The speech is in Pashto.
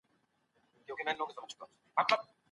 که راځې راسه که نه وي مه راځه .